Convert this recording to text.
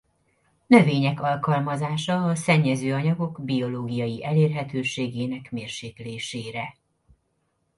Növények alkalmazása a szennyező anyagok biológiai elérhetőségének mérséklésére.